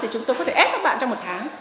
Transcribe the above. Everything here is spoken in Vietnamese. thì chúng tôi có thể ép các bạn trong một tháng